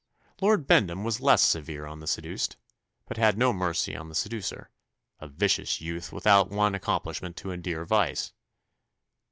Lord Bendham was less severe on the seduced, but had no mercy on the seducer "a vicious youth, without one accomplishment to endear vice."